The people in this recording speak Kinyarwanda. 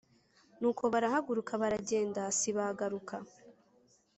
Nuko barahaguruka barajyenda sibagaruka